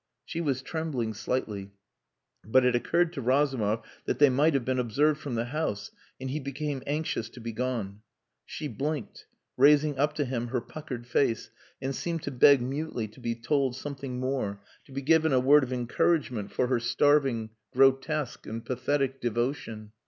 She was trembling slightly. But it occurred to Razumov that they might have been observed from the house, and he became anxious to be gone. She blinked, raising up to him her puckered face, and seemed to beg mutely to be told something more, to be given a word of encouragement for her starving, grotesque, and pathetic devotion.